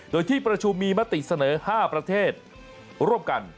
โดยที่ประชุมมีมติเสนอ๕ประเทศร่วมกัน